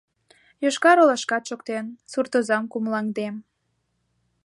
— Йошкар-Олашкат шоктен, — суртозам кумылаҥдем.